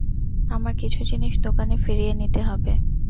আমার কিছু জিনিস দোকানে ফিরিয়ে নিতে হবে।